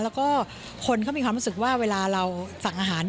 แล้วก็คนเขามีความรู้สึกว่าเวลาเราสั่งอาหาร